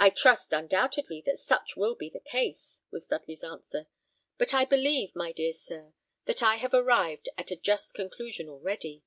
"I trust, undoubtedly, that such will be the case," was Dudley's answer; "but I believe, my dear sir, that I have arrived at a just conclusion already.